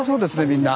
みんな。